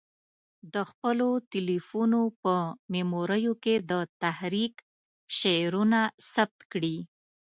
د خپلو تلیفونو په میموریو کې د تحریک شعرونه ثبت کړي.